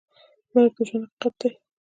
مرګ د ژوند حقیقت دی؟